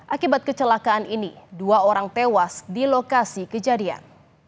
akibat kecelakaan ini dua orang tewas di lokasi kejadian